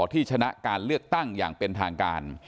ที่ชนะการเลือกตั้งอย่างเป็นทางการ